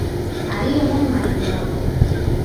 Aliye mwema ni mmoja.